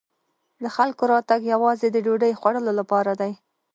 د خلکو راتګ یوازې د ډوډۍ خوړلو لپاره دی.